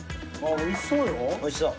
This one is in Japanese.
おいしそう。